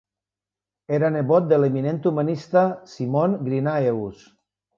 Era nebot de l'eminent humanista Simon Grynaeus.